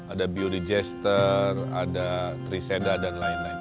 ada biodejester ada triseda dan lain lain